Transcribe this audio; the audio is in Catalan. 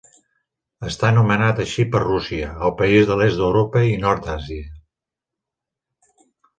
Està nomenat així per Rússia, el país de l'est d'Europa i nord d'Àsia.